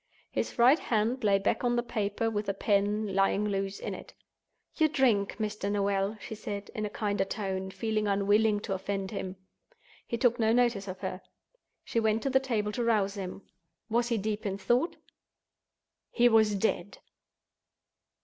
His right hand lay back on the paper, with the pen lying loose in it. "Your drink, Mr. Noel," she said, in a kinder tone, feeling unwilling to offend him. He took no notice of her. She went to the table to rouse him. Was he deep in thought? He was dead!